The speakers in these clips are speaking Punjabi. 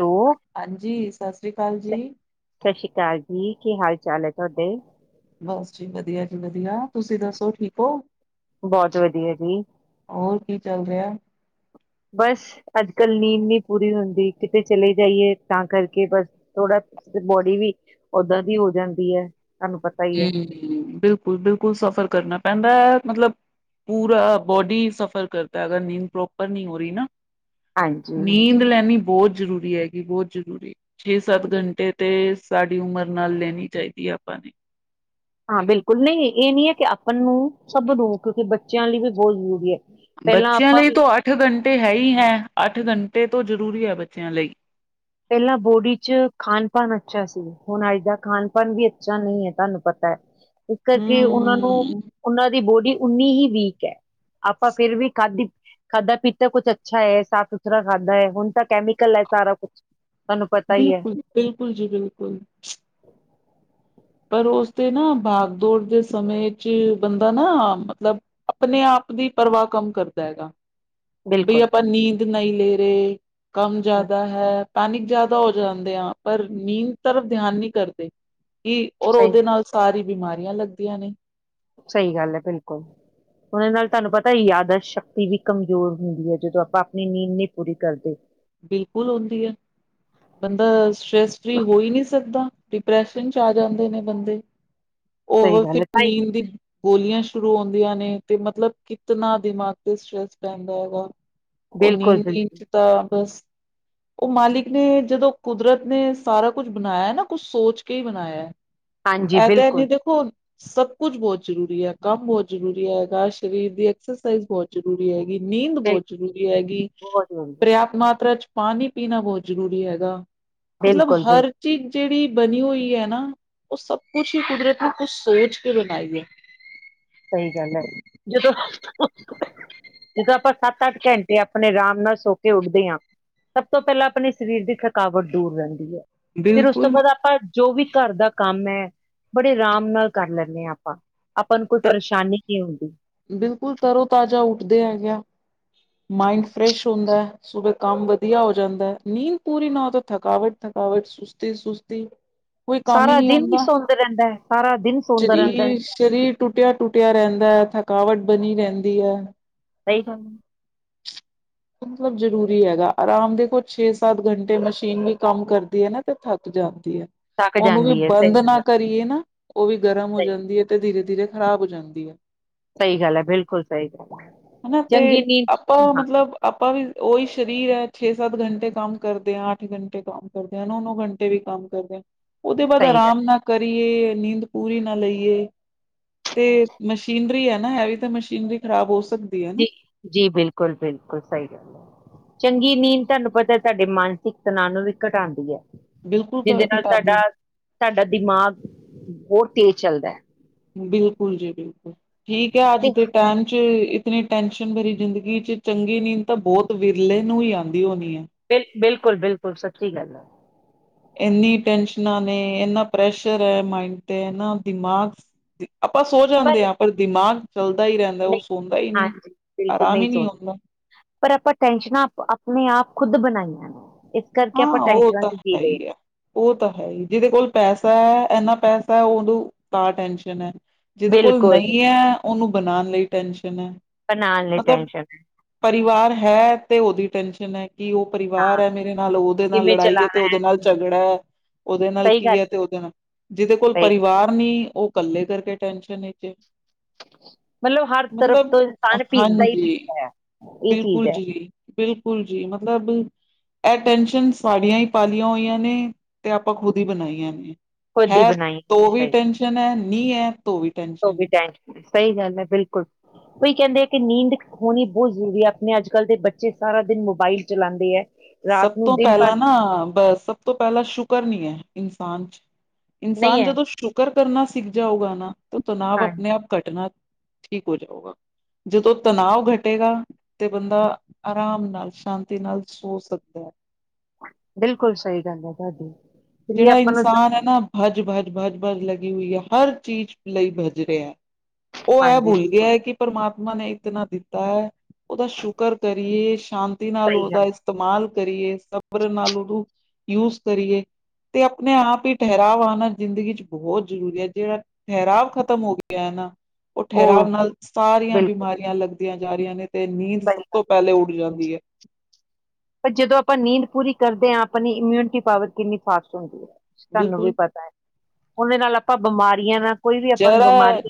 ਹੈਲੋ, ਹਾਂਜੀ, ਸਤਿ ਸ੍ਰੀ ਅਕਾਲ ਸ- ਜੀ। ਸਤਿ ਸ਼੍ਰੀ ਅਕਾਲ ਜੀ, ਕੀ ਹਾਲ -ਚਾਲ ਹੈ ਤੁਹਾਡੇ। ਬਸ ਜੀ ਵਧੀਆ ਜੀ, ਵਧੀਆ ਤੁਸੀਂ ਦੱਸੋ ਠੀਕ ਹੋ। ਬਹੁਤ ਵਧੀਆ ਜੀ। ਹੋਰ ਕੀ ਚੱਲ ਰਿਹਾ? ਬਸ ਅੱਜ -ਕੱਲ ਨੀਂਦ ਨੀ ਪੂਰੀ ਹੁੰਦੀ, ਕਿਤੇ ਚਲੇ ਜਾਈਏ ਤਾਂ ਕਰਕੇ ਬਸ ਥੋੜਾ ਬੋਡੀ ਵੀ ਓਦਾਂ ਦੀ ਹੋ ਜਾਂਦੀ ਹੈ। ਤੁਹਾਨੂੰ ਪਤਾ ਹੀ ਹੈ। ਹਮ, ਬਿਲਕੁਲ -ਬਿਲਕੁਲ ਸਫ਼ਰ ਕਰਨਾ ਪੈਂਦਾ ਹੈ। ਮਤਲਬ, ਪੂਰਾ ਬੋਡੀ ਸਫ਼ਰ ਕਰਦੈ, ਅਗਰ ਨੀਂਦ ਪ੍ਰੋਪਰ ਨਹੀਂ ਹੋ ਰਹੀ ਨਾ। ਹਾਂਜੀ। ਨੀਂਦ ਲੈਣੀ। ਬਹੁਤ ਜ਼ਰੂਰੀ ਹੈਗੀ, ਬਹੁਤ ਜ਼ਰੂਰੀ। ਛੇ, ਸੱਤ -ਘੰਟੇ ਤੇ ਸਾਡੀ ਉਮਰ ਨਾਲ ਲੈਨੀ ਚਾਹੀਦੀ ਹੈ ਆਪਾਂ ਨੇ। ਹਾਂ ਬਿਲਕੁਲ ਨਈ ਏ ਨਈ ਹੈ ਕਿ ਆਪਾਂ ਨੂੰ, ਸਭ ਨੂੰ ਕਿਉਂਕਿ ਬੱਚਿਆਂ ਲਈ ਵੀ ਬਹੁਤ ਜ਼ਰੂਰੀ ਹੈ। ਪਹਿਲਾਂ ਬੱਚਿਆਂ ਆਪਾਂ ਲਈ ਤੋ ਅੱਠ ਘੰਟੇ ਹੈ ਈ ਹੈਂ, ਅੱਠ ਘੰਟੇ ਤੋਂ ਜਰੂਰੀ ਐ ਬੱਚਿਆਂ ਲਈ। ਪੇਲਾਂ ਬੋਡੀ ਚ ਖਾਨ ਪਾਨ ਅੱਛਾ ਸੀ, ਹੁਨ ਅੱਜ ਦਾ ਖਾਨ ਪਾਨ ਵੀ ਅੱਛਾ ਨਈ ਐ ਤੁਆਨੂੰ ਪਤਾ ਐ। ਇਸ ਕਰਕੇ ਔਨਾਂ ਨੂੰ ਹੂੰ, ਔਨਾਂ ਦੀ ਬੋਡੀ ਉਨੀ ਹੀ ਵੀਕ ਐ ਆਪਾਂ ਫੇਰ ਵੀ ਖਾਧੀ ਖਾਧਾ ਪੀਤਾ ਕੁੱਛ ਅੱਛਾ ਐ ਸਾਫ਼ ਸੁਥਰਾ ਖਾਧਾ ਹੈ ਹੁੜ ਤਾਂ ਕੈਮੀਕਲ ਹੈ ਸਾਰਾ ਕੁਛ। ਤੁਹਾਨੂੰ ਪਤਾ ਹੀ ਹੈ ਬਿਲਕੁਲ, ਬਿਲਕੁਲ ਜੀ ਬਿਲਕੁਲ! ਪਰ ਔਸਦੇ ਨਾ ਬਾਗ ਦੌੜ ਦੇ ਸਮੇਂ ਚ ਬੰਦਾ ਨਾ ਮਤਲਬ ਆਪਨੇ ਆਪ ਦੀ ਪਰਵਾਹ ਕਮ ਕਰਦਾ ਹੈਗਾ। ਬਈ ਬਿਲਕੁਲ ਆਪਾਂ ਨੀਂਦ ਨਈ ਲੇ ਰੇ। ਕਮ ਜਾਦਾ ਹੈ। ਕਾਨਿਕ ਜਾਦਾ ਹੋ ਜਾਂਦੇ ਆ ਪਰ ਨੀਂਦ ਤਰਫ ਧਿਆਨ ਨਈ ਕਰਦੇ। ਕੀ, ਓਰ ਸਹੀ ਓਦੇ ਨਾਲ ਸਾਰੀ ਬਿਮਾਰੀਆਂ ਲੱਗਦੀਆਂ ਨੇ। ਸਈ ਗੱਲ ਐ ਬਿਲਕੁਲ। ਹੂਨ ਏਨੇ ਨਾਲ ਤਾਨੂੰ ਪਤਾ ਯਾਦਾਸ਼ ਸ਼ਕਤੀ ਵੀ ਕਮਜ਼ੋਰ ਹੁੰਦੀ ਐ, ਜਦੋ ਆਪਾਂ ਆਪਣੀ ਨੀਂਦ ਨੀ ਪੂਰੀ ਕਰਦੇ। ਬਿਲਕੁਲ ਹੁੰਦੀ ਹੈ। ਬੰਦਾ ਸਟੈ੍ਸ ਫ੍ਰੀ ਹੋ ਹੀ ਨਈ ਸਕਦਾ। ਡਿਪ੍ਰੈਸ਼ਨ ਚ ਆ ਜਾਂਦੇ ਨੇ ਬੰਦੇ। ਸਹੀ ਓਹ ਗੱਲ ਫਿਰ ਹੈ ਤਾਈ ਨੀਂਦ ਦੀ ਗੋਲੀਆਂ ਸ਼ੁਰੂ ਹੁੰਂਦੀਆਂ ਨੇ। ਤੇ ਮਤਲਬ ਕਿਤਨਾ ਦਿਮਾਗ ਤੇ ਸਟਰ੍ਰੈਸ ਪੈਂਦਾ ਹੈ ਨਾ। ਓ ਬਿਲਕੁਲ ਨੀਂਦ, ਨੀਂਦ ਬਿਲਕੁਲ ਚ ਤਾ ਬਸ, ਓ ਮਾਲਿਕ ਨੇ ਜਦੋ ਕੁਦਰਤ ਨੇ ਸਾਰਾ ਕੁਛ ਬਨਾਇਆ ਨਾ, ਕੁਛ ਸੋਚ ਕੇ ਈ ਬਨਾਇਆ। ਹਾਂਜੀ ਐ ਤੇ ਹੈ ਬਿਲਕੁਲ ਨੀ ਦੇਖੁ ਸਬ ਕੁਛ ਬੋਤ ਜਰੂਰੀ ਐ, ਕੰਮ ਬੋਤ ਜਰੂਰੀ ਹੈਗਾ, ਸ਼ਰੀਰ ਦੀ ਐਕਸਰਸਾਈਜ ਬੋਤ ਜਰੂਰੀ ਹੈ ਗੀ, ਨੀਂਦ ਬੋਤ ਜਰੂਰੀ ਹੈਗੀ, ਬਹੁਤ ਵਧੀਆ ਪਰਯਾਪ ਤਾ੍ ਚ ਪਾਣੀ ਪੀਨਾ ਬੋਤ ਜਰੂਰੀ ਹੈਗਾ। ਮਤਲਬ ਬਿਲਕੁਲ ਬਿਲਕੁਲ ਹਰ ਚੀਜ ਜੇੜੀ ਬਨੀ ਹੋਈ ਹੈ ਨਾ, ਓ ਸਬ ਕੁਛ ਹੀ ਕੁਦਰਤ ਨੇ ਕੁਛ ਸੋਚ ਕੇ ਬਨਾਈ ਐ। ਸਈ ਗੱਲ ਐ, ਜਦੋਂ [unintelligible] ਜਦੋਂ ਆਪਾਂ ਸੱਤ ਅੱਠ ਘੰਟੇ ਆਪਣੇ ਆਰਾਮ ਨਾਲ ਸੋ ਕੇ ਉੱਠਦੇ ਆਂ, ਸਭ ਤੋਂ ਪਹਿਲਾਂ ਆਪੇਨ ਸ਼ਰੀਰ ਦੀ ਥਕਾਵਟ ਦੂਰ ਰੇਂਦੀ ਐ। ਫਿਰ ਉਸ ਤੋ ਬਿਲਕੁਲ ਬਾਦ ਆਪਾਂ ਜੋ ਵੀ ਘਰ ਦਾ ਕੰਮ ਐ ਬੜੇ ਆਰਾਮ ਨਾਲ ਕਰ ਲੈਂਦੇ ਆਂ। ਆਪਾਂ, ਆਪਾਂ ਨੂੰ ਕੁ ਤ- ਪਰੇਸ਼ਾਨੀ ਕੀ ਹੁੰਦੀ ਬਿਲਕੁਲ ਤਰੋ ਤਾਜਾ ਉੱਠਦੇ ਹੈਗੇ ਆਂ। ਮਾਇੰਡ ਫਰੈਸ਼ ਹੁੰਦੈ। ਸੁਬੇ ਕੰਮ ਵਧੀਆ ਹੋ ਜਾਂਦੈ, ਨੀਂਦ ਪੂਰੀ ਨਾ ਹੋਏ ਤੇ ਥਕਾਵਟ-ਥਕਾਵਟ, ਸੁਸਤੀ-ਸੁਸਤੀ। ਸਾਰਾ ਦਿਨ ਹੀ ਸੌਦ ਰਹਿੰਦਾ ਹੈ ਸਾਰਾ ਦਿਨ ਸੌਂਦਾ ਰਹਿੰਦਾ ਹੈ ਸਰੀਰ ਸਰੀਰ ਟੁੱਟਿਆ ਟੁੱਟਿਆ ਰਹਿੰਦਾ ਦਾ ਥਕਾਵਟ ਬਣੀ ਰਹਿੰਦੀ ਹੈ ਸਹੀ ਗੱਲ ਮਤਲਬ ਜਰੂਰੀ ਹੈਗਾ ਆਰਾਮ ਦੇਖੋ ਛੇ ਸੱਤ ਘੰਟੇ ਮਸ਼ੀਨ ਵੀ ਕੰਮ ਕਰਦੀ ਹੈ ਨਾ ਤੇ ਥੱਕ ਜਾਂਦੀ ਥੱਕ ਉਹਨੂੰ ਵੀ ਜਾਂਦੀ ਹੈ ਸਹੀ ਬੰਦ ਗੱਲ ਨਾ ਹੈ ਕਰੀਏ ਨਾ ਉਹ ਵੀ ਗਰਮ ਹੋ ਸਹੀ ਜਾਂਦੀ ਹੈ ਤੇ ਧੀਰੇ ਧੀਰੇ ਖ਼ਰਾਬ ਹੋ ਜਾਂਦੀ ਹੈ ਸਹੀ ਗੱਲ ਹੈ ਬਿਲਕੁਲ ਸਹੀ ਗੱਲ ਹੈ ਹਨਾ ਤੇ ਚੰਗੀ ਨੀਂਦ ਆਪਾਂ ਹਾਂ ਮਤਲਬ ਆਪਾਂ ਉਹੀ ਸਰੀਰ ਹੈ ਛੇ ਸੱਤ ਘੰਟੇ ਕੰਮ ਕਰਦੇ ਆ ਅੱਠ ਘੰਟੇ ਕੰਮ ਕਰਦੇ ਆ ਨੌ ਨੋ ਘੰਟੇ ਵੀ ਕੰਮ ਕਰਦੇ ਆ ਉਹਦੇ ਬਾਅਦ ਸਹੀ ਗੱਲ ਆਰਾਮ ਨਾਲ ਕਰੀ ਨੀਂਦ ਪੂਰੀ ਨਾ ਲਈਏ ਤੇ ਮਸ਼ੀਨਰੀ ਹੈ ਨਾ ਇਹ ਵੀ ਤਾਂ ਮਸ਼ੀਨਰੀ ਖਰਾਬ ਹੋ ਸਕਦੀ ਹੈ ਨਾ ਜੀ ਜੀ ਬਿਲਕੁਲ ਬਿਲਕੁਲ ਸਹੀ ਗੱਲ ਹੈ ਚੰਗੀ ਨੀਂਦ ਤੁਹਾਨੂੰ ਪਤਾ ਤੁਹਾਡੇ ਮਾਨਸਿਕ ਤਣਾਅ ਨੂੰ ਵੀ ਘਟਾਉਂਦੀ ਹੈ ਬਿਲਕੁਲ ਜਿਹਦੇ ਘ ਨਾਲ ਘਟਾਦੀ ਸਾਡਾ ਸਾਡਾ ਦਿਮਾਗ ਹੋਰ ਤੇਜ਼ ਚੱਲਦਾ ਹੈ ਬਿਲਕੁਲ ਜੀ ਬਿਲਕੁਲ ਠੀਕ ਹੈ ਅੱਜ ਤੇ ਦੇ ਟਾਈਮ ਚ ਇਤਨੀ ਟੈਨਸ਼ਨ ਮੇਰੀ ਜ਼ਿੰਦਗੀ ਚ ਚੰਗੇ ਨੀ ਤਾਂ ਬਹੁਤ ਵਿਰਲੇ ਨੂੰ ਹੀ ਆਉਂਦੀ ਹੋਣੀ ਹੈ ਤੇ ਬਿਲਕੁਲ ਬਿਲਕੁਲ ਸੱਚੀ ਗੱਲ ਹੈ ਇਨੀ ਟੈਸ਼ਨਾਂ ਨੇ ਇਨਾ ਪ੍ਰੈਸ਼ਰ ਹੈ ਮਾਇੰਡ ਤੇ ਇਹਨਾ ਦਿਮਾਗ ਆਪਾਂ ਸੋ ਜਾਂਦੇ ਹਾਂ ਪਰ ਦਿਮਾਗ ਚੱਲਦਾ ਹੀ ਰਹਿੰਦਾ ਉਹ ਸੌਦਾ ਹੀ ਨਹੀਂ ਹਾਂਜੀ ਬਿਲਕੁਲ ਆਰਾਮ ਨਹੀਂ ਹੀ ਸੋਚ ਆਉਂਦਾ ਪਰ ਆਪਾਂ ਟੈਸ਼ਨਾਂ ਆਪਣੇ ਆਪ ਖੁੱਦ ਬਣਾਈਆਂ ਨੇ ਇਸ ਕਰਕੇ ਹਾਂ ਆਪਾਂ ਉਹ ਟੈਨਸ਼ਨਾਂ ਤਾਂ ਚ ਜੀ ਹੈ ਰਹੇ ਹੀ ਹਾਂ। ਹੈ ਉਹ ਤਾਂ ਹੈ ਹੀ ਜਿਹਦੇ ਕੋਲ ਪੈਸਾ ਹੈ ਇੰਨਾ ਪੈਸਾ ਹੈ ਉਹਨੂੰ ਤਾਂ ਟੈਸ਼ਨ ਹੈ ਜਿਹਦੇ ਕੋਲ ਬਿਲਕੁਲ ਨਹੀਂ ਹੈ ਉਹਨੂੰ ਬਣਾਉਣ ਲਈ ਟੈਨਸ਼ਨ ਹੈ ਬਣਾਉਣ ਲਈ ਮਤਲਬ ਟੈਨਸ਼ਨ ਹੈ, ਪਰਿਵਾਰ ਹੈ ਤੇ ਉਹਦੀ ਟੈਨਸ਼ਨ ਹੈ ਕੀ ਉਹ ਪਰਿਵਾਰ ਹਾਂ ਹੈ ਮੇਰੇ ਨਾਲ ਉਹਦੇ ਨਾਲ ਕਿਵੇਂ ਲੜਾਈ ਹੈ ਤੇ ਚਲਾਣਾ ਉਹਦੇ ਨਾਲ ਝਗੜਾ ਹੈ ਉਹਦੇ ਨਾਲ ਸਹੀ ਕੀ ਗੱਲ ਹੈ ਤੇ ਉਹਦੇ ਨਾਲ ਜਿਹਦੇ ਕੋਲ ਸਹੀ ਗੱਲ ਪਰਿਵਾਰ ਨੀ ਉਹ ਇਕੱਲੇ ਕਰਕੇ ਟੈਨਸ਼ਨ ਮਤਲਬ ਹਰ ਤਰਫ ਮਤਲਬ ਤੋਂ ਇਨਸਾਨ ਪੀਸਦਾ ਹੀ ਹਾਂਜੀ ਪੀਸਦਾ ਆ ਬਿਲਕੁਲ ਜੀ ਬਿਲਕੁਲ ਜੀ ਮਤਲਬ ਇਹ ਟੈਨਸ਼ਨ ਸਾਡੀਆਂ ਹੀ ਪਾਲੀਆਂ ਹੋਈਆਂ ਨੇ ਤੇ ਆਪਾਂ ਖੁਦ ਹੀ ਬਣਾਈਆਂ ਨੇ ਖੁਦ ਹੀ ਹੈ ਬਣਾਈ ਤੋ ਵੀ ਸਹੀ ਟੈਨਸ਼ਨ ਹੈ ਨਹੀਂ ਹੈ ਤੋ ਵੀ ਟੈਨਸ਼ਨ ਹੈ ਸਹੀ ਗੱਲ ਹੈ ਬਿਲਕੁਲ ਉਹੀ ਕਹਿੰਦੇ ਕਿ ਨੀਂਦ ਹੋਣੀ ਬਹੁਤ ਜ਼ਰੂਰੀ ਹੈ ਆਪਣੇ ਅੱਜ ਕੱਲ੍ਹ ਦੇ ਬੱਚੇ ਸਾਰਾ ਦਿਨ ਮੋਬਾਈਲ ਚਲਾਉਂਦੇ ਹੈ ਰਾਤ ਸਭ ਨੂੰ ਤੋਂ ਦਿਨ ਭਰ ਪਹਿਲਾਂ ਨਾ ਬਸ ਸਭ ਤੋਂ ਪਹਿਲਾਂ ਸ਼ੁਕਰ ਨਹੀਂ ਹੈ ਇਨਸਾਨ ਚ ਨਹੀਂ ਇਨਸਾਨ ਹੈ ਜਦੋਂ ਸ਼ੁਕਰ ਕਰਨਾ ਸਿੱਖ ਜਾਊਗਾ ਨਾ ਤਣਾਵ ਹਾਂ ਆਪਣੇ ਆਪ ਘਟਣਾ ਠੀਕ ਹੋ ਜਾਊਗਾ ਜਦੋਂ ਤਨਾਵ ਘਟੇਗਾ ਤੇ ਬੰਦਾ ਆਰਾਮ ਨਾਲ ਸ਼ਾਂਤੀ ਨਾਲ ਸੋ ਸੁੱ [unintelligible] ਬਿਲਕੁਲ ਸਹੀ ਗੱਲ ਹੈ ਤੁਹਾਡੀ ਇਸ ਲਈ ਜਿਹੜਾ ਆਪਾਂ ਨੂੰ ਇਨਸਾਨ ਹੈ ਨਾ ਹੱਜ ਭੱਜ ਭੱਜ ਭੱਜ ਲਗੀ ਹੋਈ ਹੈ ਹਰ ਚੀਜ਼ ਲਈ ਭੱਜ ਰਿਹਾ ਉਹ ਇਹ ਹਾਂਜੀ ਭੁਲ ਬਿਲਕੁਲ ਗਿਆ ਕਿ ਪਰਮਾਤਮਾ ਨੇ ਕਿਤਨਾ ਦਿੱਤਾ ਹੈ ਉਹਦਾ ਸ਼ੁਕਰ ਕਰੀਏ ਸ਼ਾਂਤੀ ਨਾਲ ਸਹੀ ਉਹਦਾ ਗੱਲ ਇਸਤੇਮਾਲ ਕਰੀਏ ਸਬਰ ਨਾਲ ਉਹਨੂੰ ਯੂਜ ਕਰੀਏ ਤੇ ਆਪਣੇ ਆਪ ਹੀ ਠਹਿਰਾਵ ਆਉਣਾ ਜ਼ਿੰਦਗੀ ਚ ਬਹੁਤ ਜ਼ਰੂਰੀ ਹੈ ਜਿਹੜਾ ਠਹਿਰਾਵ ਖਤਮ ਹੋ ਗਿਆ ਹੈ ਨਾ ਉਹ ਠਹਿਰਾਵ ਨਾਲ ਸਾਰੀਆਂ ਬਿਲਕੁਲ ਬਿਮਾਰੀਆਂ ਲੱਗਦੀਆਂ ਕੀਤੀਆਂ ਜਾ ਰਹੀਆਂ ਨੇ ਤੇ ਨੀਂਦ ਸਭ ਸਹੀ ਤੋਂ ਗੱਲ ਪਹਿਲੇ ਉੱਡ ਜਾਂਦੀ ਹੈ ਪਰ ਜਦੋਂ ਆਪਾਂ ਨੀਂਦ ਪੂਰੀ ਕਰਦੇ ਹਾਂ ਆਪਣੀ ਇਮਿਊਨਿਟੀ ਪਾਵਰ ਕਿੰਨੀ ਫਾਸਟ ਹੁੰਦੀ ਹੈ ਤੁਹਾਨੂੰ ਵੀ ਬਿਲਕੁਲ ਪਤਾ ਹੈ ਉਹਦੇ ਨਾਲ ਆਪਾਂ ਬਿਮਾਰੀਆਂ ਨਾ ਜ਼ਰਾ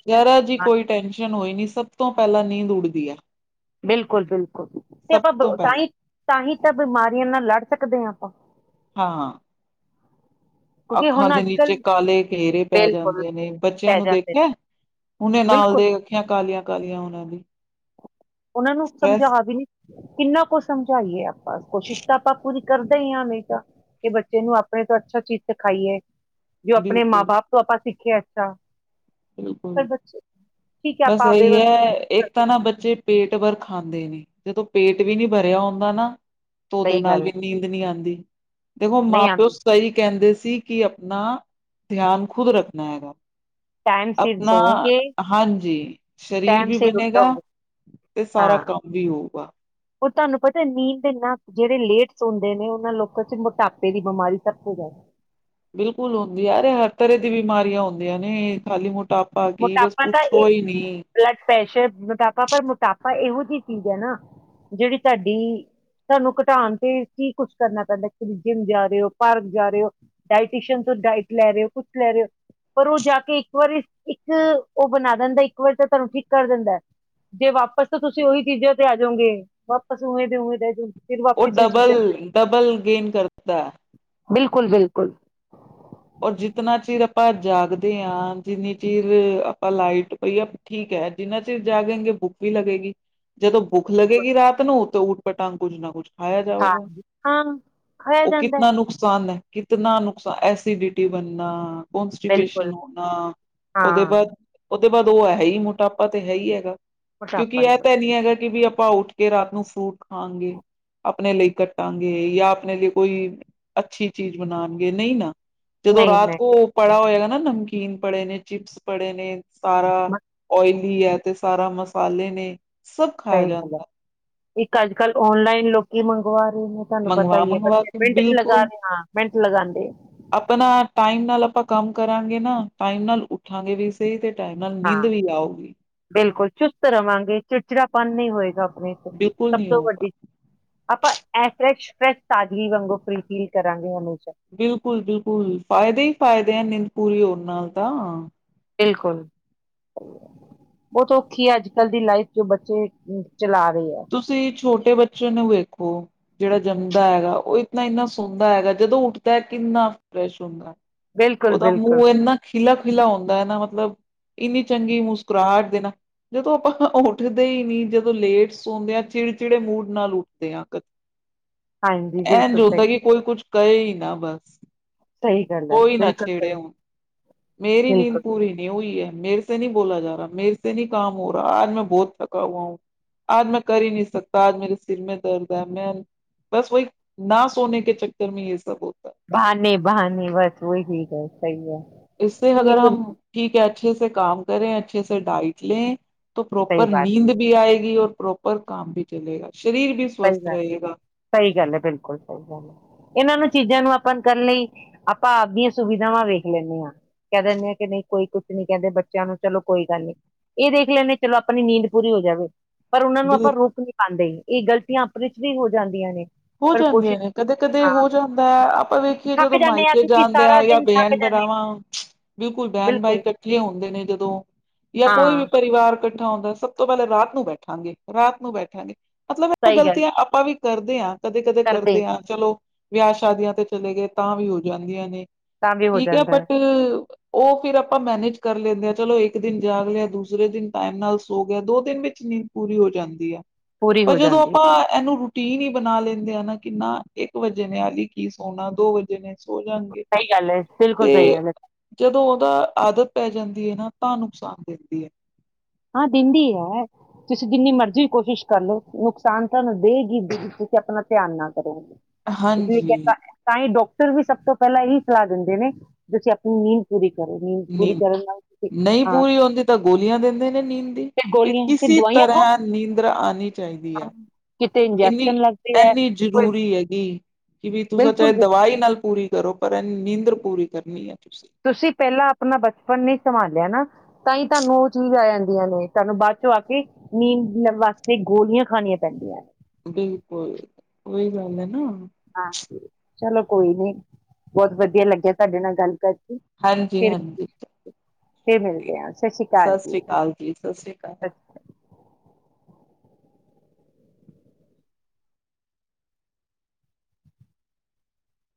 ਜਰਾ ਜੀ ਕੋਈ ਟੈਨਸ਼ਨ ਹੋਈ ਨੀ ਸਭ ਤੋਂ ਪਹਿਲਾਂ ਨੀਂਦ ਉੱਡਦੀ ਆ ਬਿਲਕੁਲ ਬਿਲਕੁਲ ਤੇ ਆਪਾਂ ਪਹਿਲਾਂ ਤਾਂਹੀ ਤਾਂਹੀ ਤਾਂ ਬਿਮਾਰੀਆਂ ਨਾਲ ਲੜ ਸਕਦੇ ਹਾਂ ਆਪਾਂ ਹਾਂ ਕਿਉਂਕਿ ਅੱਖਾਂ ਹੁਣ ਦੇ ਅੱਜ ਕੱਲ ਨੀਚੇ ਕਾਲੇ ਘੇਰੇ ਪੈ ਬਿਲਕੁਲ ਜਾਂਦੇ ਨੇ ਬੱਚਿਆਂ ਪੈ ਨੂੰ ਜਾਂਦੇ ਨੇ ਦੇਖਿਆ ਹੁਨੇ ਨਾਲ ਬਿਲਕੁਲ ਦੇ ਅੱਖਾਂ ਕਾਲੀਆਂ ਗਾਲੀਆਂ ਉਹਨਾਂ ਦੀ [unintelligible] ਉਹਨਾਂ ਨੂੰ ਸਟਰੈਸ ਸਮਝਾ ਵੀ ਨੀ ਕਿੰਨਾ ਕੁਛ ਸਮਝਾਈਏ ਆਪਾਂ ਬ ਕੋਸ਼ਿਸ਼ ਤਾਂ ਆਪਾਂ ਪੂਰੀ ਕਰਦਾ ਹੀ ਹਾ ਹਮੇਸ਼ਾ ਕਿ ਬੱਚੇ ਨੂੰ ਆਪਣੇ ਤੋਂ ਅੱਛਾ ਚੀਜ਼ ਸਿਖਾਈਏ ਜੋ ਆਪਣੇ ਮਾਂ ਬਿਲਕੁਲ ਬਾਪ ਤੋਂ ਆਪਾਂ ਸਿੱਖਿਆ ਅੱਛਾ। ਪਰ ਬਿਲਕੁਲ ਬੱਚੇ ਠੀਕ ਹੈ ਬਸ ਆਪਾਂ ਆਪਦੇ ਅਹੀ ਵੱਲ ਹੈ ਇੱਕ ਤਾਂ ਨਾ ਸਹੀ ਬੱਚੇ ਪੇਟਭਰ ਖਾਂਦੇ ਨੇ ਜਦੋਂ ਪੇਟ ਵੀ ਨੀ ਭਰਿਆ ਹੁੰਦਾ ਨਾ ਤਾਂ ਉਹ ਦੇ ਨਾਲ ਗੱਲ ਹੈ ਵੀ ਨੀਂਦ ਨਹੀਂ ਆਦੀ [unintelligible] ਦੇਖੋ ਮਾਂ ਨਹੀਂ ਪਿਓ ਆਉਂਦੀ ਸਹੀ ਕਹਿੰਦੇ ਸੀ। ਕੀ ਆਪਣਾ ਧਿਆਨ ਖੁਦ ਰੱਖਣਾ ਹੈਗਾ ਟਾਈਮ ਸਿਰ ਆਪਣਾ ਸੋਓਗੇ ਹਾਂਜੀ ਸਰੀਰ ਟਾਈਮ ਵੀ ਸਿਰ ਬਣੇਗਾ ਉੱਠੋਗੇ। ਤੇ ਸਾਰਾ ਹਾਂ, ਕੰਮ ਵੀ ਹੋਊਗਾ ਉਹ ਤੁਹਾਨੂੰ ਪਤਾ ਨੀਂਦ ਦੇ ਨਾ ਜਿਹੜੇ ਲੇਟ ਸੁੁੰਦੇ ਨੇ ਉਹਨਾਂ ਲੋਕਾਂ ਚ ਮੋਟਾਪੇ ਦੀ ਬਿਮਾਰੀ ਸਭ ਤੋਂ ਜ਼ਿਆਦਾ ਬਿਲਕੁਲ ਹੁੰਦੀ ਆ ਰੇ ਹਰ ਤਰ੍ਹਾਂ ਦੀ ਬਿਮਾਰੀਆਂ ਹੁੰਦੀਆਂ ਨੇ ਖਾਲੀ ਮੋਟਾਪਾ ਕੀ ਬਸ ਮੋਟਾਪਾ ਤਾਂ ਪੁੱਛੋ ਇਹ ਹੀ ਨਹੀਂ। ਬਲਡ ਪ੍ਰੇਸ਼ਰ ਮੋਟਾਪਾ ਪਰ ਮੋਟਾਪਾ ਇਹੋ ਚੀਜ਼ ਹੈ ਨਾ ਜਿਹੜੀ ਤੁਹਾਡੀ ਤੁਹਾਨੂੰ ਘਟਾਉਣ ਤੇ ਕੀ ਕੁਛ ਕਰਨਾ ਪੈਂਦਾ ਜਾ ਰਹੇ ਹੋ ਭਾਰ ਜਾ ਰਹੇ ਹੋ। ਡਾਇਟੀਸ਼ੀਅਨ ਤੋਂ ਡਾਇਟ ਲੈ ਰਹੇ ਹੋ ਕੁਛ ਲੈ ਰਹੇ ਹੋ। ਪਰੋਂ ਜਾ ਕੇ ਇੱਕ ਵਾਰੀ ਉਹ ਬਣਾ ਦਿੰਦਾ ਇੱਕ ਵਾਰੀ ਤਾਂ ਤੁਹਾਨੂੰ ਠੀਕ ਕਰ ਦਿੰਦਾ ਹੈ ਜੇ ਵਾਪਸ ਤਾਂ ਤੁਸੀਂ ਉਹੀ ਚੀਜ਼ਾਂ ਤੇ ਆ ਜਾਓਗੇ ਵਾਪਸ ਉਵੇਂ ਦੇ ਉਵੇਂ ਰਹਿ ਜਾਉਗੇ। ਉਹ ਡਬਲ ਡਬਲ ਗੇਨ ਕਰਦਾ ਬਿਲਕੁਲ ਬਿਲਕੁਲ ਔਰ ਜਿਤਨਾ ਚਿਰ ਆਪਾਂ ਜਾਗਦੇ ਹਾਂ ਜਿੰਨੀ ਚਿਰ ਆਪਾਂ ਲਾਈਟ ਪਈਏ ਠੀਕ ਹੈ ਜਿੰਨਾ ਚਿਰ ਜਾਗਣਗੇ ਭੁੱਖ ਵੀ ਲੱਗੇਗੀ ਜਦੋਂ ਭੁੱਖ ਲੱਗੇਗੀ ਰਾਤ ਨੂੰ ਤਾਂ ਊਟ ਪਟਾਂਗ ਕੁੱਝ ਨਾ ਕੁੱਝ ਖਾਇਆ ਜਾਊਗਾ। ਹਾਂ ਖਾਇਆ ਉਹ ਜਾਂਦਾ ਕਿਤਨਾ ਨੁਕਸਾਨ ਹੈ, ਕਿਤਨਾ ਨੁਕਸਾਨ ਐਸੀਡੀਟੀ ਬਣਨਾ ਬਿਲਕੁਲ ਕੌਟੀਪੇਸ਼ਨ ਹੋਣਾ ਉਹਦੇ ਹਾਂ ਬਾਅਦ ਦੇ ਬਾਅਦ ਉਹ ਹੈ ਹੀ ਮੋਟਾਪਾ ਤੇ ਹੈ ਹੀ ਹੈਗਾ ਕਿਉਂਕਿ ਮੋਟਾਪਾ ਇਹ ਹੀ ਹੈ ਤਾਂ ਨਹੀਂ ਹੈਗਾ ਕਿ ਵੀ ਆਪ ਉੱਠ ਕੇ ਰਾਤ ਨੂੰ ਫਰੂਟ ਖਾਂਗੇ ਆਪ ਆਪਣੇ ਲਈ ਕੱਟਾਂਗੇ ਜਾਂ ਆਪਣੇ ਲਈ ਕੋਈ ਅੱਛੀ ਚੀਜ਼ ਬਣਾਣਗੇ ਨਹੀਂ ਨਾ ਜਦੋਂ ਨਹੀਂ ਰਾਤ ਨਹੀਂ ਕੋ ਪੜਾ ਹੋਏਗਾ ਨਾ ਨਮਕੀਨ ਪੜੇ ਨੇ ਚਿਪਸ ਪੜੇ ਨੇ ਸਾਰਾ ਮਸਤ ਓਇਲੀ ਹੈ ਤੇ ਸਾਰਾ ਮਸਾਲੇ ਨੇ ਸਭ ਖਾਇਆ ਸਹੀ ਗੱਲ ਹੈ ਜਾਂਦਾ ਇੱਕ ਅੱਜ ਕੱਲ ਔਨਲਾਈਨ ਲੋਕੀ ਮੰਵਾਉਦੇ ਤੁਹਾਨੂੰ ਪਤਾ ਮੰਗਵਾ ਈ ਐ ਮੰਗਵਾ ਬੱਚੇ ਕੇ ਮਿੰਟ ਚ ਲਗਾ ਬਿਲਕੁਲ ਦੇ ਹਾਂ ਮਿੰਟ ਲਗਾਂਦੇ। ਆਪਣਾ ਟਾਈਮ ਨਾਲ ਆਪਾਂ ਕੰਮ ਕਰਾਂਗੇ ਨਾ ਟਾਈਮ ਨਾਲ ਉੱਠਾਂਗੇ ਵੀ ਸਹੀ ਤੇ ਟਾਈਮ ਨਾਲ ਨੀਂਦ ਹਾਂ, ਵੀ ਆਊਗੀ ਬਿਲਕੁਲ ਚੁਸਤ ਰਵਾਂਗੇ ਚ ਚਿੜਾਪਨ ਨਈਂ ਹੋਏਗਾ। [inaudible] ਬਿਲਕੁਲ ਸਭ ਨਹੀਂ ਤੋਂ ਹੋਊਗਾ ਵੱਡੀ ਆਪਾਂ ਐਸ ਤਰਾਂ ਚ ਫਰੈਸ਼ ਤਾਜ਼ਗੀ ਵਾਂਗੂ ਫਰੀ ਫੀਲ ਕਰਾਂਗੇ ਹਮੇਸ਼ਾ। ਬਿਲਕੁਲ ਬਿਲਕੁਲ, ਫਾਇਦੇ ਈ ਫਾਇਦੇ ਆ ਨਿੰਦ ਪੂਰੀ ਹੋਣ ਨਾਲ ਤਾਂ ਬਿਲਕੁਲ ਬਹੁਤ ਔਖੀ ਐ ਅੱਜ-ਕੱਲ ਦੀ ਲਾਈਫ ਜੋ ਬੱਚੇ ਚਲਾ ਰਹੇ ਹੈ ਤੁਸੀਂ ਛੋਟੇ ਬੱਚੇ ਨੂੰ ਵੇਖੋ। ਜਿਹੜਾ ਜੰਮਦਾ ਹੈਗਾ ਉਹ ਇਨਾ ਇੰਨਾ ਸੁੰਦਾ ਹੈਗਾ ਜਦੋਂ ਉੱਠਦਾ ਕਿੰਨਾ ਫਰੈਸ਼ ਹੁੰਦਾ। ਬਿਲਕੁਲ ਉਹਦਾ ਬਿਲਕੁਲ ਮੂੰਹ ਇੰਨ੍ਹਾਂ ਖਿਲਾਖਿਲਾ ਹੁੰਦਾ ਐਨਾਂ ਮਤਲਬ ਇੰਨੀ ਚੰਗੀ ਮੁਸਕੁਰਾਹਟ ਦੇ ਨਾ ਜਦੋਂ ਆਪਾਂ [unintelligible] ਉੱਠਦੇ ਈ ਨੀਂ ਜਦੋਂ ਲੇਟ ਸ ਸੋਦੇਿਆਂ ਚਿੜਚਿੜੇ ਮੂਡ ਨਾਲ ਉੱਠਦੇ ਆ ਕ ਹਾਂਜੀ ਐਨ ਬਿਲਕੁਲ ਸਹੀ ਜੋਤਾ ਕਿ ਕੋਈ ਕੁਛ ਕਹੇ ਈ ਨਾਂ ਬਸ ਸਹੀ ਗੱਲ ਹੈ ਕੋਈ ਨਾ ਬਿਲਕੁਲ ਛੇੜੇ ਸਹੀ ਹੁਣ ਮੇਰੀ ਨੀਂਦ ਬਿਲਕੁਲ ਪੂਰੀ ਨ੍ਹੀਂ ਹੋਈ ਐ, ਮੇਰੇ ਸੇ ਨਈਂ ਬੋਲਾ ਜਾ ਰਾ ਮੇਰੇੇ ਸੇ ਨਈਂ ਹੀਂ ਕਾਮ ਹੋ ਰਿਹਾ ਆਜ ਮੈਂ ਬਹੁਤ ਥਕਾ ਹੂਆ ਹੂਂ ਆਜ ਮੈਂ ਕਰ ਹੀ ਨੀਂ ਸਕਦਾ ਆਜ ਮੇਰੇ ਸਿਰ ਮੈਂ ਦਰਦ ਹੈ ਮੈਂ ਬਸ ਵਹੀ ਨਾ ਸੋੇਨੇ ਕੇ ਚੱਕਰ ਮੈਂ ਯੇ ਸਭ ਬਹਾਨੇ ਬਹਾਨੇ ਬਸ ਉਹੀ ਠੀਕ ਹੈ, ਸਹੀ ਹੈ। ਅੱਛੇ ਸੇ ਕਾਮ ਕਰੇ ਅੱਛੇ ਸੇ ਡਾਇਟ ਲੇਂ। ਸਹੀ ਪ੍ਰੋਪਰ ਬਾਤ ਨੀਂਦ ਵੀ ਆਏਗੀ। ਕੀ ਉਹ ਪ੍ਰੋਪਰ ਕਾਮ ਵੀ ਚਲੇਗਾ। ਸਹੀ ਗੱਲ, ਸਹੀ ਗੱਲ ਐ, ਬਿਲਕੁਲ ਸਹੀ ਗੱਲ ਐ। ਇਹਨਾਂ ਨੂੰ ਚੀਜ਼ਾਂ ਨੂੰ ਆਪਾਂ ਕਰਨ ਲਈ ਆਪਾਂ ਆਪਦੀਆਂ ਸੁਵਿਧਾਵਾਂ ਵੇਖ ਲੈਂਣੇ ਹਾਂ, ਕਹਿ ਦਿੰਦੇ ਹਾਂ ਕਿ ਨਹੀਂ ਕੋਈ ਕੁਛ ਨੀ ਕਹਿੰਦੇ ਬੱਚਿਆਂ ਨੂੰ ਚਲੋ ਕੋਈ ਗੱਲ ਨੀਂ ਇਹ ਦੇਖ ਲੈਂਣੇ ਚਲੋ ਆਪਣੀ ਨੀਂਦ ਪੂਰੀ ਹੋ ਜਾਵੇ। ਪਰ ਉਹਨਾਂ ਨੂੰ ਆਪਾਂ ਰੂਕ ਨੀਂ ਪਾਂਦੇ। ਇਹ ਗੱਲ ਆਪਣੇ ਚ ਵੀ ਹੋ ਜਾਂਦੀਆਂ ਨੇਂ। ਹੋ ਜਾਂਦੀਆਂ ਨੇ ਕਦ-ਕਦੇ ਹੋ ਜਾਂਦਾ ਐ, ਆਪਾਂ ਵੇਖੀਏ ਥੱਕ ਜਦੋਂ ਜਾਂਦੇ ਆ ਮਾਈਕੇ ਕਿਉਂਕਿ ਸਾਰਾ ਜਾਂਦੇਆ ਜਾਂ ਦਿਨ ਥੱਕ ਬੈਨ ਜਾਂਦੇ ਆ ਬਰਾਵਾਂ ਬਿਲਕੁਲ ਬਹਿਣ ਬਈ ਇਕੱਠੇ ਹੁੰਦੇ ਨੇਂ ਜਦੋਂ ਜਾਂ ਕੋਈ ਵੀ ਹਾਂ ਪਰਿਵਾਰ ਇਕੱਠਾ ਹੁੰਦਾ ਸਭ ਤੋਂ ਪਹਿਲਾਂ ਰਾਤ ਨੂੰ ਬੈਠਾਂਗੇ ਰਾਤ ਨੂੰ ਬੈਠਾਂਗੇ। ਮਤਲਬ ਇਹ ਸਹੀ ਗੱਲ ਗਲਤੀਆਂ ਆਪਾਂ ਵੀਂ ਕਰਦੇ ਆਂ ਕਦੇ-ਕਦੇ ਕਰਦੇ ਆਂ ਚਲੋ। ਵਿਆਹ ਸ਼ਾਦੀਆਂ ਤੇ ਚਲੇ ਗਏ ਤਾਂ ਵੀ ਹੋ ਜਾਂਦੀਆਂ ਨੇਂ ਤਾਂ ਵੀ ਹੋ ਠੀਕ ਐ ਜਾਂਦਾ ਬਟ ਹੈ ਉਹ ਫਿਰ ਆਪਾਂ ਮੈਨੇਜ ਕਰ ਲੈਂਦੇ ਆਂ ਚਲੋ ਇੱਕ ਦਿਨ ਜਾਗ ਲਿਆ ਦੂਸਰੇ ਦਿਨ ਟਾਈਮ ਨਾਲ ਸੋ ਗਿਆ ਦੋ ਦਿਨ ਵਿੱਚ ਨੀਂਦ ਪੂਰੀ ਹੋ ਜਾਂਦੀ ਆ। ਪੂਰੀ ਪਰ ਹੋ ਜਦੋਂ ਜਾਂਦੀ ਹੈ ਆਪਾਂ ਇਹਨੂੰ ਟੀ ਨੀ ਬਣਾ ਲੈਂਦ ਕਹਿੰਦੇ ਆ ਨਾ ਕਿੰਨਾ ਇੱਕ ਵਜੇ ਨੇ ਆਲੀ ਕੀ ਸੋਨਾ ਦੋ ਵਜੇ ਨੇ ਸੋ ਜਾਣਗੇ ਸਹੀ ਗੱਲ ਹੈ, ਤੇ ਬਿਲਕੁਲ ਸਹੀ ਗੱਲ ਹੈ। ਜਦੋਂ ਆਦਤ ਪੈ ਜਾਂਦੀ ਏ ਨਾ ਤਾਂ ਨੁਕਸਾਨ ਦਿੰਦੀ ਏ। ਹਾਂ ਦਿੰਦੀ ਹੈ ਤੁਸੀਂ ਜਿੰਨੀ ਮਰਜ਼ੀ ਵੀ ਕੋਸ਼ਿਸ਼ ਕਰ ਲਓ ਨੁਕਸਾਨ ਤੁਹਾਨੂੰ ਦੇਗੀ ਤੁਸੀਂ ਆਪਣਾ ਧਿਆਨ ਨਾਲ ਇਸ ਲਈ ਕਿ ਹਾਂਜੀ ਤਾਂ ਹੀ ਡੋਕ ਟਰ ਵੀ ਸਭ ਤੋਂ ਪਹਿਲਾਂ ਇਹੀ ਸਲਾਹ ਦਿੰਦੇ ਨੇ ਤੁਸੀਂ ਆਪਣੀ ਨੀਂਦ ਪੂਰੀ ਕਰੋ ਪੂਰੀ ਨੀਂਦ, ਕਰਨ ਨਾਲ ਤੁਸੀਂ ਨਹੀਂ ਹਾਂ ਪੂਰੀ ਹੁੰਦੀ ਤਾਂ ਗੋਲੀਆਂ ਦਿੰਦੇ ਨੇ ਨੀਂਦ ਫਿਰ ਗੋਲੀਆਂ ਫਿਰ ਕਿਸੇ ਦਵਾਈਆਂ ਖਾਓ ਤਰ੍ਹਾਂ ਨੀਂਦਰ ਆਣੀ ਚਾਹੀਦੀ ਹਾਂ, ਹੈ। ਕਿਤੇ ਇਨੀ ਇੰਜੈਕਸ਼ਨ ਲੱਗਦੇ ਹੈ ਏਨੀ ਕੋਈ ਜ਼ਰੂਰੀ ਹੈਗੀ ਕਿ ਵੀ ਤੁੂਸਾ ਬਿਲਕੁਲ ਚਾਹੇ ਵੀ। ਦਵਾਈ ਨਾਲ ਪੂਰੀ ਕਰੋ ਪਰ ਇਹਨ ਨੀਂਦਰ ਪੂਰੀ ਕਰਨੀ ਹੈ। ਤੁਸੀਂ ਪਹਿਲਾਂ ਆਪਣਾ ਬਚਪਨ ਨੀ ਸੰਭਾਲਿਆ ਨਾ ਤਾਂ ਹੀ ਤੁਹਾਨੂੰ ਉਹ ਚੀਜ਼ ਆ ਜਾਂਦੀਆਂ ਨੇ ਤੁਹਾਨੂੰ ਬਾਅਦ ਚੋਂ ਆ ਕੇ ਨੀਂਦ ਵਾਸਤੇ ਗੋਲੀਆਂ ਖਣੀਆਂ ਪੈਂਦੀਆਂ ਨੇ। ਬਿਲਕੁਲ ਉਹੀ ਗੱਲ ਏ ਨਾ ਹਾਂ ਚਲੋ ਕੋਈ ਨੀ ਬਹੁਤ ਵਧੀਆ ਲੱਗਿਆ ਤਾਡੇ ਨਾਲ ਗੱਲ ਕਰਕੇ। ਫਿਰ ਹਾਂਜੀ-ਹਾਂਜੀ, ਫਿਰ ਮਿਲਦੇ ਆ ਸ੍ਰੀ ਅਕਾਲ ਸਤਿ ਜੀ। ਸ੍ਰੀ ਅਕਾਲ ਜੀ ਸਤਿ ਸ੍ਰੀ ਅਕਾਲ